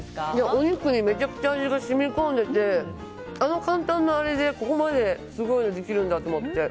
お肉にめちゃくちゃ味が染み込んでいてあの簡単なあれでここまですごいのできるんだって思って。